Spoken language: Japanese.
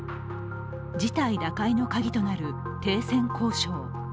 事態打開の鍵となる停戦交渉。